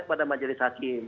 kepada majelis hakim